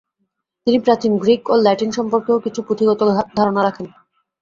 তিনি প্রাচীন গ্রিক ও ল্যাটিন সম্পর্কেও কিছু পুথিগত ধারণা রাখেন।